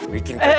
bikin kerja anak